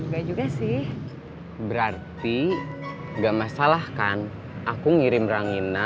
kasian saya nanti tergoda